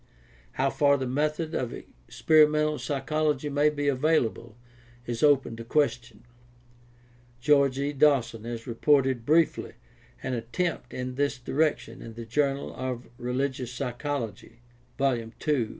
How far the methods of experimental psychology may be available is open to question. George E. Dawson has reported briefly an attempt in this direction in the Journal of Religious Psychology, II (1913), 50 58).